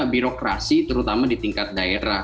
birokrasi terutama di tingkat daerah